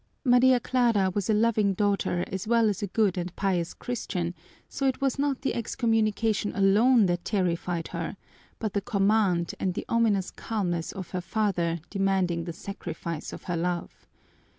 Maria Clara was a loving daughter as well as a good and pious Christian, so it was not the excommunication alone that terrified her, but the command and the ominous calmness of her father demanding the sacrifice of her love.